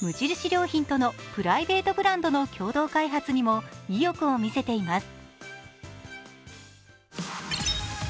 良品とのプライベートブランドの共同開発にも意欲を見せています。